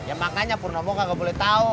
ya makanya purnomo nggak boleh tau